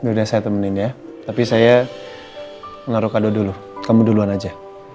udah saya temenin ya tapi saya naruh kado dulu kamu duluan aja